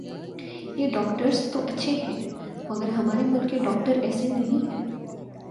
یہ ڈاکٹرز تو اچھے ھیں مگر ھمارے ملک کے ڈاکٹر ایسے نہیں ھیں